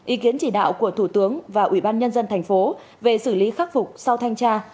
ý kiến chỉ đạo của thủ tướng và ubnd tp về xử lý khắc phục sau thanh tra